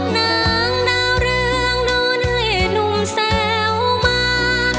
นางดาวเรืองดูในหนุ่มเสียวมา